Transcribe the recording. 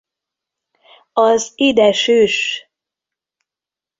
Az Ide süss!